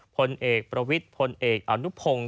พลเอกประวิทย์พลเอกอนุพงศ์